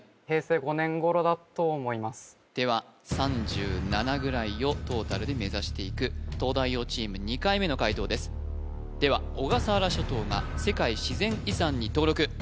平成５年頃だと思いますでは３７ぐらいをトータルで目指していく東大王チーム２回目の解答ですでは小笠原諸島が世界自然遺産に登録